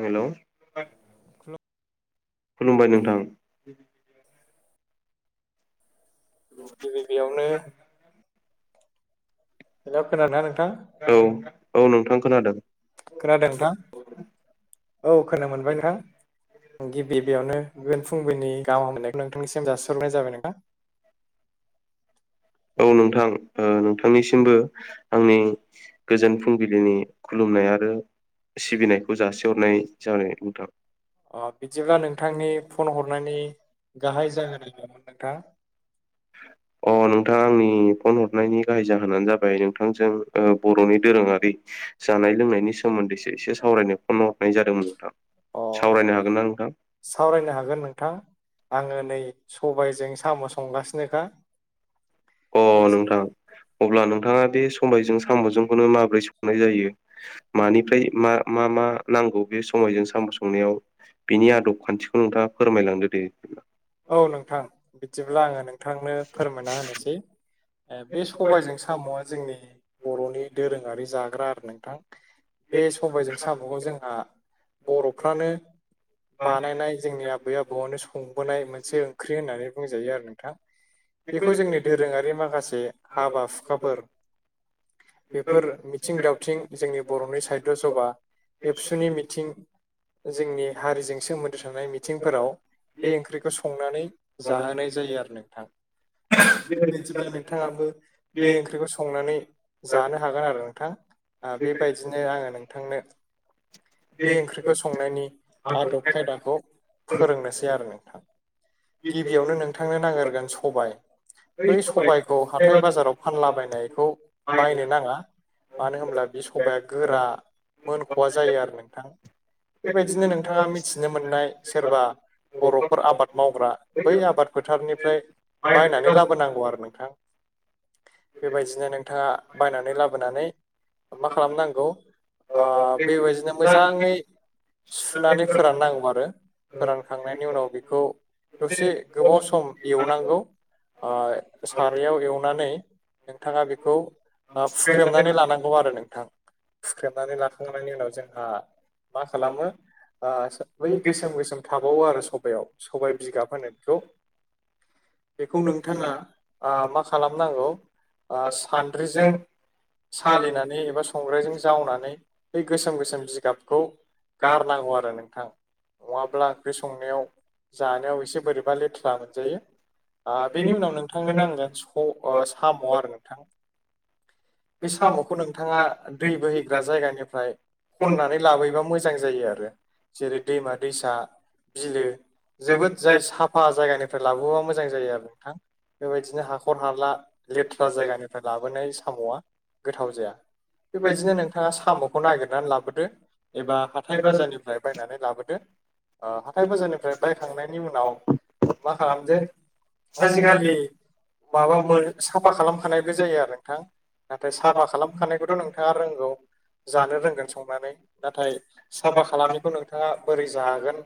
Hello खुलुमबाय नोंथां। गिबियावनो हेलौ खोनादोंना नोंथां? औ औ नोंथां खोनादों। खोनादों नोंथां? औ खोनानो मोनबाय नोंथां। गिबि [unintelligible] बियावनो गोजोन फुंबिलिनि गाहाम हामलायनायखौ नोंथांनिसिम जासिहरनाय जाबाय नोंथां। औ नोंथां ओ नोंथांनिसिमबो आंनि गोजोन फुंबिलिनि खुलुमनाय आरो सिबिनायखौ जासिहरनाय जाबाय नोंथां। अ बिदिब्ला नोंथांनि फन हरनायनि गाहाय जाहोना मामोन नोंथां? [inaudible] अ नोंथाङा आंनि फन हरनायनि गाहाय जाहोनानो जाबाय नोंथांजों ओ बर'नि दोरोङारि जानाय लोंनायनि सोमोन्दैसो एसे सावरायनो फन हरनाय जादोंमोन नोंथां। अ सावरायनो हागोन ना नोंथां? सावरायनो हागोन नोंथां आङो नै सबायजों साम' संगासिनोखा। अ नोंथां अब्ला नोंथाङा बे सबायजों साम'जोंखौनो माबोरै संनाय जायो मानिफ्राय मा मा मा नांगौ बे समायजों साम' संनायाव बिनि आदब खान्थिखौ नोंथाङा फोरमायलांदो दे। औ नोंथां बिदिब्ला आङो नोंथांनो फोरमायना होनोसै। ओ बे सबायजों साम'आ जोंनि बर'नि दोरोङारि जाग्रा आरो नोंथां। बे सबायजों साम'खौ जोंहा बर'फ्रानो बानायनाय जोंनि आबै आबौआनो संबोनाय मोनसे ओंख्रि होननानै बुंजायो आरो नोंथां। बेखौ जोंनि दोरोङारि माखासे हाबा हुखाफोर बेफोर मिथिं दावथिं जोंनि बर'नि साहित्य सभा एबसुनि मिथिं जोंनि हारिजों सोमोन्दो थानाय मिथिंफोराव बे ओंख्रिखौ संनानै जाहोनाय जायो आरो नोंथां। [unintelligible] नोंथाङाबो बे ओंख्रिखौ संनानै जानो हागोन आरो नोंथां। ओ बेबायदिनो आङो नोंथांनो बे ओंख्रिखौ संनायनि आदब खायदाखौ फोरोंनोसै आरो नोंथां। गिबियावनो नोंथांनो नागिरगोन सबाय बै सबायखौ हाथाय बाजाराव फानलाबायनायखौ बायनो नाङा। मानो होनब्ला बे सबाया गोरा मोनख'वा जायो आरो नोंथां। बेबायदिनो नोंथाङा मिथिनो मोननाय सोरबा बर'फोर आबाद मावग्रा बै आबाद फोथारनिफ्राय बायनानै लाबो। फोनांगौ आरो नोंथां बेबायदिनो नोंथाङा बायनानै लाबोनानै मा खालामनांगौ आ बेबायदिनो मोजाङै सुनानै फोरान नांगौ आरो फोरान खांनायनि उनाव बेखौ दसे गोबाव सम एवनांगौ। आ सारायाव एवनानै नोंथाङा बेखौ फुख्रेमनानै लानांगौ आरो नोंथां। फुख्रेबनानै लाखांनायनि उनाव जोंहा मा खालामो आ बै गोसोम गोसोम थाबावो आरो सबायाव सबाइ बिगाब होनो बिखौ। बेखौ नोंथाङा आ मा खालामनांगौ आं सान्द्रिजों सालिनानै एबा संग्रायजों जावनानै बै गोसोम-गोसोम बिगाबखौ गारनांगौ आरो नोंथां। नङाब्ला ओंख्रि संनायाव जानायाव एसे बोरैबा लेथ्रा मोनजायो। आं बेनि उनाव नोंथांनो नांगोन स साम' आरो नोंथां। [inaudible] बे साम'खौ नोंथाङा दै बोहैग्रा जायगानिफ्राय खननानै लाबोयोबा मोजां जायो आरो जेरै दैमा दैसा बिलो जोबोद जाय साफा जायगानिफ्राय लाबोबा मोजां जायो आरो नोंथां। बेबायदिनो हाखर हाला लेथ्रा जायगानिफ्राय लाबोनाय साम'आ गोथाव जाया। बेबायदिनो नोंथाङा साम'खौ नागिरनानै लाबोदो एबा हाथाय बाजारनिफ्राय बायनानै लाबोदो। ओ हाथाय बाजारनिफ्राय बायखांनायनि उनाव मा खालामदो आजिखालि [inaudible] माबा मोन साफा खालामखानायबो जायो आरो नोंथां। नाथाय साफा खालामखानायखौथ' नोंथाङा रोंगौ जानो रोंगोन संनानै। नाथाय साफा खालामनायखौ नोंथाङा बोरै जागोन।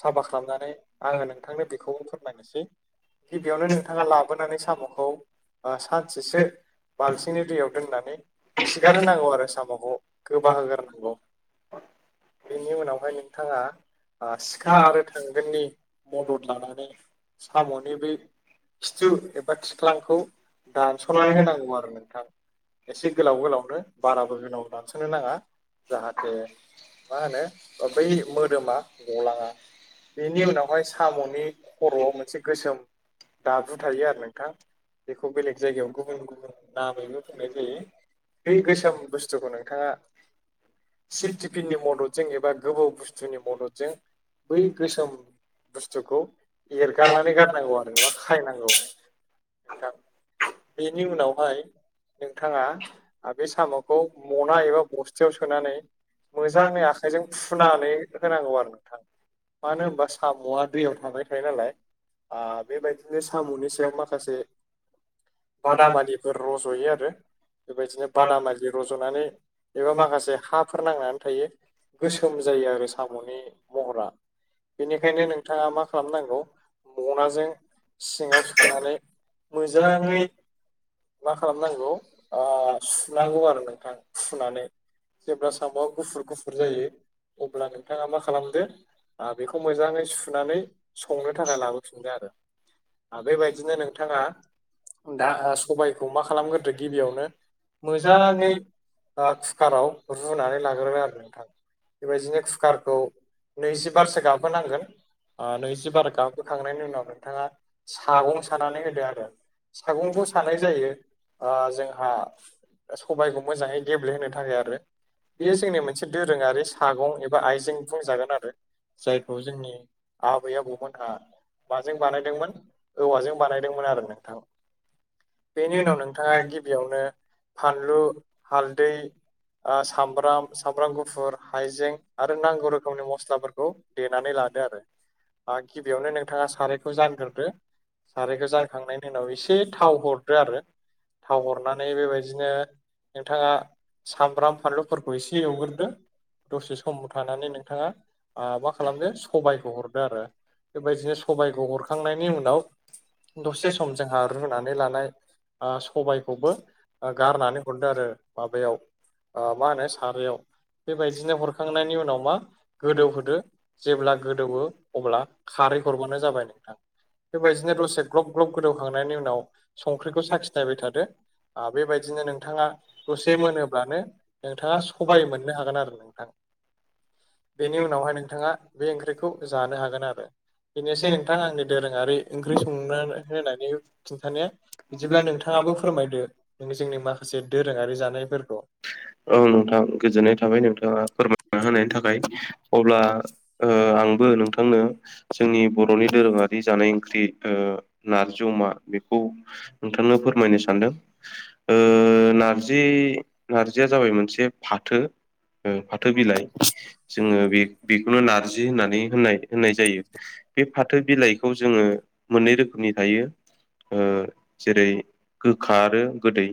साफा खालामनानै आङो नोंथांनो बेखौ फोरमायनोसै। गिबियावनो नोंथाङा लाबोनानै साम'खौ सानसेसो बालथिंनि दैयाव दोननानै खिगारहांगौ आरो साम'खौ गोबा होगारांगौ। बेनि उनावहाय नोंथाङा सिखा आरो थांगोननि मदद लानानै साम'नि बेै खिथु एबा थिख्लांखौ दानस'नानै होनांगौ आरो नोंथां। एसे गोलाव गोलावनो बाराबो गोनाव दानस'नो नाङा जाहाथे मा होनो बै मोदोमा गलाङा बेनि उनाव माय साम'नि खर'आव मोनसे गोसोम दाब्रु थायो आरो नोंथां। बेखौ बेलेग जायगायाव गुबुन गुबुन नामैबो बुंनाय जायो बै गोसोम बुस्थुखौनो। थाङा सेफटिफिननि मददजों एबा गोबौ बुस्थुनि मदद - जों बै गोसोम बुस्थुखौ एरगारनानै गारनांगौ आरोबा खायनांगौ थां बेनि उनावहाय नोंथाङा बे साम'खौ मना एबा बस्थायाव सोनानै [unintelligible] आखाइजों फुनानै होनांगौ आरो नोंथां। मानो होनबा साम'आ दैयाव थाबाय थायो नालाय। आ बेबायदिनो साम'नि सायाव माखासे बादामालिफोर रज'यो आरो बेबायदिनो बादामालि रज'नानै एबा माखासे हाफोर नांनानै थायो गोसोम जायो आरो साम'नि महरा। बेनिखायनो नोंथाङा मा खालामनांगौ मनाजों सिङाव सुखोननानै मोजाङै मा खालामनांगौ आ सुनांगौ आरो नोंथां सुनानै। जेब्ला साम'आ गुफुर गुफुर जायो अब्ला नोंथाङा मा खालाम [unintelligible] बेखौ मोजाङै सुनानै संनो थाखाय लाबोफिनदो आरो। बेबायदिनो नोंथाङा दा सबायखौ मा खालामगोरदो गिबियावनो मोजाङै ओ कुकाराव रुनानै लाग्रोबाय आरो नोंथां बेबायदिनो कुकारखौ नैजिबारसो गाहाम हुनांगोन। नै जि बारा गाहामखोखांनायनि उनाव नोंथाङा सागं सानानै होदो आरो। सागंखौ सानाय जायो ओ जोंहा सबाइखौ मोजाङै गेब्लेहोनो थाखाय आरो। बेयो जोंनि मोनसे दोरोङारि सागं एबा आइजें बुंजागोन आरो जायखौ जोंनि आबै आबौमोनहा माजों बानायदोंमोन औवाजों बानायदोंमोन आरो नोंथां। बेनि उनाव नोंथाङा गिबियावनो फानलु हालदै ओ सामब्राम सामब्राम गुफुर हाइजें आरो नांगौ रोखोमनि [unintelligible] [unintelligible] देनानै लादो आरो गिबियावनो नोंथाङा सारायखौ जानग्रोदो सारायखौ [unintelligible] होखांनायनि उनाव एसे थाव हरदो आरो थाव हरनानै बेबायदिनो नोंथाङा सामब्राम फानलुफोरखौ एसे एवग्रोदो दसे समाव थानानै नोंथाङा आ मा खालामदो [unintelligible] सबाइखौ हरदोआरो बेबायदिनो सबाइखौ हरखांनायनि उनाव दसे सम जोंहा रुनानै लानाय ओ सबायखौबो ओ गारनानै हरदो आरो माबायाव ओ माहोनो सारायाव बेबायदिनो हरखांनायनि उनाव मा गोदौहोदो जेब्ला गोदौओअब्ला खारै हरबानो जाबाय नोंथां। बेबायदिनो दसे ग्लब ग्लब गोदौखांनायनि उनाव संख्रिखौ साखिनायबाय थादो आ बेबायदिनो नोंथाङा दसे मोनोब्लानो नोंथाङा सबाय मोननो हागोन आरो नोंथां बेनि उनावहाय नोंथाङा बे ओंख्रिखौ जानो हागोन आरो बेनोसै नोंथाङा आंनि दोरोङारि ओंख्रि संनानै होनानै खिन्थानाया बिदिब्ला नोंथाङाबो फोरमायदो नों जोंनि माखासे दोरोङारि जानायफोरखौ औ नोंथां गोजोननाय थाबाय नोंथाङा फोरमायना होनायनि थाखाय अब्ला ओ आंबो नोंथांनो जोंनि बर'नि दोरोङारि जानाय ओंख्रि ओ नारजि अमा बेखौ नोंथांनो फोरमायनो सानदों ओ नारज जि जिया जाबाय मोनसे फाथो ओ फाथो बिलाइ जोङो बे बेखौनो नारजि होननानै होननाय होननाय जायो। बे फाथो बिलाइखौ जोङो मोननै रोखोमनि थायो ओ जेरै गोखा आरो गोदै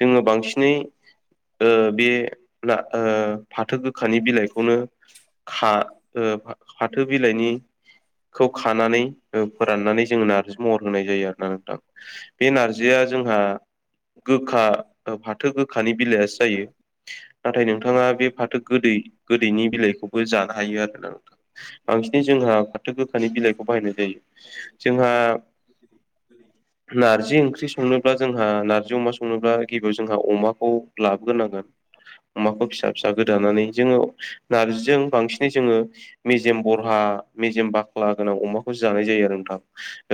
जोङो बांसिनै ओ बे ब्ला ओ फाथो गोखानि बिलाइखौनो खा ओ फाथो बिलाइनि खौ खानानै ओ फोराननानै जोङो नारजि महर होनाय जायो आरो ना नोंथां। बे नारजिया जोंहा गोखा फाथो गोखानि बिलाइआ जायो नाथाय नोंथाङा बे फाथो गोदै गोदैनि बिलाइखौ जानो हायो आरोना नोंथां बांसिनै जोंहा गोखानि बिलाइखौ बाहायनाय जायो जोंहा नारजि ओंख्रि संनोब्ला जोंहा नारजि अमा संनोब्ला गिबिआव जोंहा अमाखौ लाबो गोरनांगोन अमाखो फि फिसा फिसा गोदानानै जोङो नारजिजों बांसिनै जोङो मेजेम बरहा मेजेम बा ख्ला गोनां अमाखौ जानाय जायो आरो नोंथां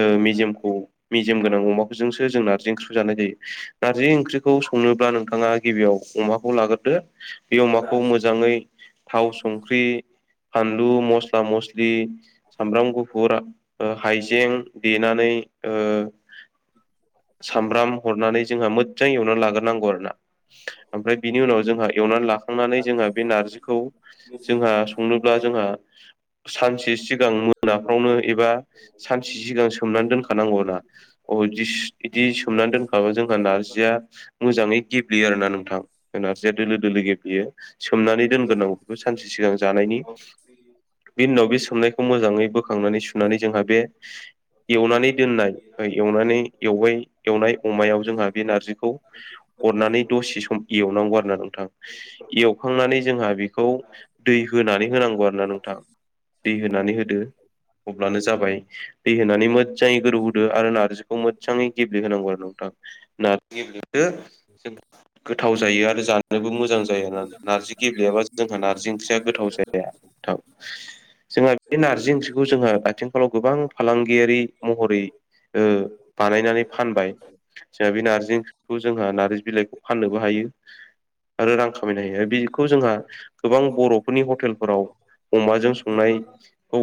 ओ मेजेमखौ मेजेम गोनां अमाफोरजोंसो जों नारजि ओंख्रिखौ जानाय जायो नारजि ओंख्रिखौ संनोब्ला नोंथाङा गिबियाव अमाखौ लाग्रोदो बे अमाखौ मोजाङै थाव संख्रि फानलु मस्ला मसलि सामब्राम गुफुर ओ हाइजें देनानै ओ सामब्राम हरनानै जोंहा मोदजां एवना लाग्रोनांगौ आरोना ओमफ्राय बिनि उनाव जोंहा एवनानै लाखांनानै जोंहा बे नारजिखौ जोंहा संनोब्ला जोंहा सानसे सिगां मोनाफ्रावनो एबा सानसे सिगां सोमनानै दोनखानांगौला अ इदिस इदि सोमनानै दोनखाबा जोंहा नारजिया मोजाङै गेब्लेयो आरोना नोंथां नारजया दोलो दोलो गेब्लेयो सोमनानै दोनग्रोनांगौ बेखौ सानसे सिगां जानायनि बेनि उनाव बे सोमनायखौ मोजाङै बोखांनानै सुनानै जोंहा बे एवनानै दोननाय ओ एवनानै एवबाय एवनाय अमायाव जोंहा बे नारजिखौ अरनानै दसे सम एवनांगौ आरो ना नोंथां एवखांनानै जोंहा बे खौ दै होनानै होनांगौ आरो ना नोंथां। दै होनानै होदो अब्लानो जाबाय दै होनानै मोजाङै गोदौहोदो आरो नारजिखौ मोजाङै गेब्लेहांगौ आरो नोंथां नारजि गेब्लेदो जों गोथाव जायो आरो जा आरोबो मोजां जायो ना नार्जि गेबेयाबा जोंहा नारजि ओंख्रिया गोथाव जाया नोंथां जोङा बे नारजि ओंख्रि खौ जोङो आथिखालाव गोबां फालांगि आरि महरै ओ बानायनानै फानबाय जोंहा बे नारजि ओंख्रि खौ जोंहा नारजि बिलाइखौ फाननोबो हायो आरो रां खामायनो हायो बे खौ जोंहा गोबां बर'फोरनि हटेलफोराव अमाजों संनायखौ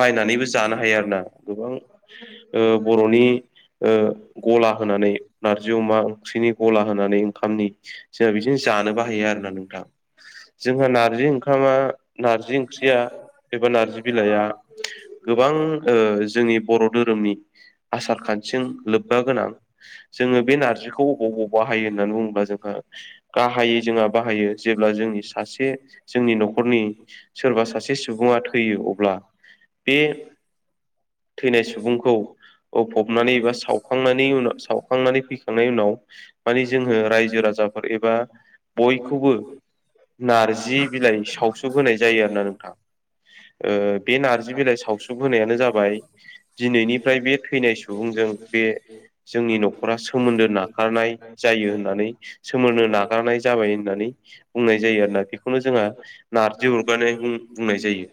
बायनानैबो जानो हायो आरो ना गोबां ओ बर'नि ओ गला होनानै नारजि अमा ओंख्रिनि गला होनानै ओंखामनि जोंहा बिदिनो जानो बाहायो आरो ना नोंथां जोंहा नारजि ओंखामा नारजि ओंख्रिया एबा नारजि बिलाइया गोबां ओ जोंनि बर' धोरोमनि आसार खान्थिजों लोब्बा गोनां जोङो बे नारजिखौ बबाव बाहायो होननानै बुङोब्ला जोंहा गाहायै जोंहा बाहायो जेब्ला जोंनि सासे जोंनि न'खरनि सोरबा सासे सुबुङा थैयो अब्ला बे थैनाय सुबुंखौ ओ होफबनानै एबा सावखांनायनि उनाव सावखांनानै फैखांनायनि उनाव मानि जोङो रायजो राजाफोर एबा बयखौबो नार्जि बिलाइ सावसोबोनाय जायो आरोना नोंथां ओ बे नारजि बिलाइ सावसुब होनायानो जाबाय दिनैनिफ्राय बे थैनाय सुबुंजों बे जोंनि न'खरा सोमोन्दो ना नारनाय जायो होननानै सोमोननो नागारनाय जाबाय होननानै बुंनाय जायो आरोना बेखौ खौनो जोंहा नारजि अरगारनाय बुं- बुंनाय जायो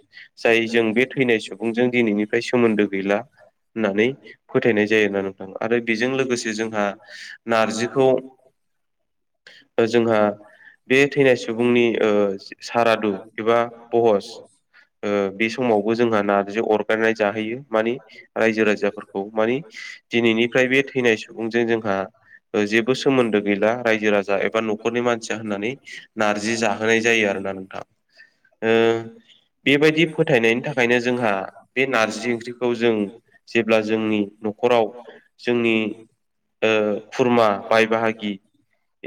जाय जों बे थैनाय सुबुंजों दिनैनिफ्राय सोमोन्दो गैला होननानै फोथायनाय जायो आरा नोंथां आरो बेजों लोगोसे जोंहा नारजिखौ ओ जोंहा बे थैनाय सुबुंनि ओ सारादु एबा बहस ओ बे समावबो जोंहा नार्जि अरगायनाय जाहैयो माने रायजो राजाफोरखौ मानि दिनैनिफ्राय बे थैनाय सुबुंजों जोंहा ओ जेबो सोमोन्दो गैला रायजो राजा एबा न'खरनि मानसिया होननानै। नारजि जाहोनाय जायो आरो ना नोंथां। ओ बेबायदि फोथायनायनि थाखायनो जोंहा बे नारजि ओंख्रिखौ जों जेब्ला जोंनि न'खराव जोंनि ओ खुरमा बाय बाहागि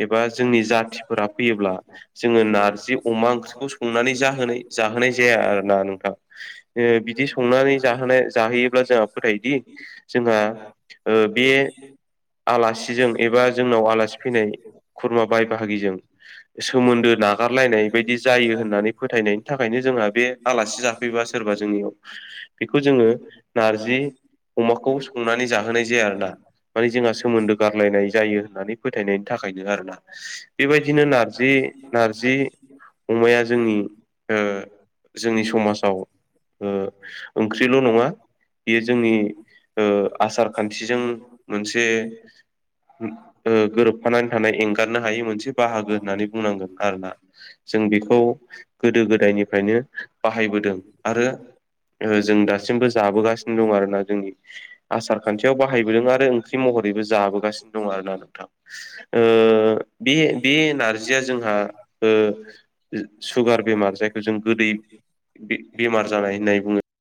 एबा जोंनि जाथिफोरा फैयोब्ला जोङो नार्जि अमा ओंख्रिखौ संनानै जाहोनाय जाहोनाय जाया आरो ना नोंथां। ओ बिदि संनानै जाहोनाय जाहोयोब्ला जोंहा फोथायदि जोंहा ओ बे बिसो आलासिजों एबा जोंनाव आलासि फैनाय खुरमा बाय बाहागिजों सोमोन्दो नागारलायनाय बायदि जायो होननानै फोथायनाय थाखायनो जोंहा बे आलासि जाफैबा सोरबा जोंनियाव बेखौ जोङो नारजि अमाखौ संनानै जाहोनाय जाया आरोना। माने जोंहा सोमोन्दो गारलायनाय जायो होननानै फोथायनायनि थाखायनो आरोना। बेबायदिनो नार जि नारजि अमाया जोंनि ओ जोंनि समाजाव ओ ओंख्रिल' नङा बेयो जोंनि ओ आसार खान्थिजों मोनसे ओ गोरोबफानानै थानाय एंगारनो हायि मोनसे बाहागो होननानै बुंनांगोन आरोना। जों बेखौ गोदो गोदायनिफ्रायनो बाहायबोदों आरो ओ जों दासिमबो जाबोगासिनो दं आरो ना जोंनि आसार खान्थियाव बाहायबोदों आरो ओंख्रि महरैबो जा जागासिनो दं आरो ना नोंथां। ओ बे बे नोरजिया जोंहा ओ सुगार बेमार जायखौ जों गोदै बे बेमार जानाय होननाय बुङो।